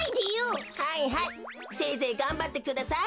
はいはいせいぜいがんばってください。